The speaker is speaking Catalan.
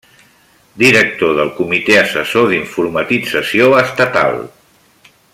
Director del Comitè Assessor d'Informatització Estatal.